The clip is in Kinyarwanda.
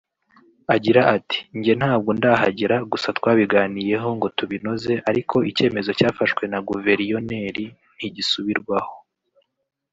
Agira ati “Njye ntabwo ndahagera gusa twabiganiyeho ngo tubinoze ariko icyemezo cyafashwe na Guverioneri ntigisubirwaho